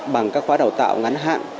bằng các khóa đào tạo ngắn hạn